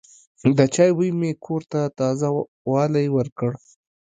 د چای بوی مې کور ته تازه والی ورکړ.